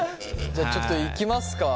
じゃあちょっといきますか？